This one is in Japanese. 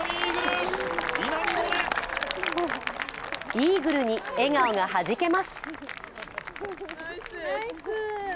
イーグルに笑顔がはじけます。